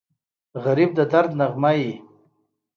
غریب د درد نغمه وي